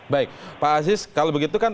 baik pak aziz kalau begitu kan